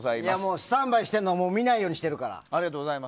スタンバイしているのは見ないようにしてますから。